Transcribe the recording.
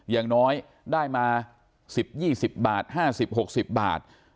อย่างน้อยได้มาสิบยี่สิบบาทห้าสิบหกสิบบาท